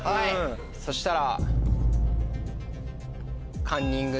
そしたら。